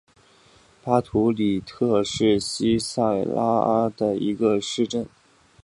巴图里特是巴西塞阿拉州的一个市镇。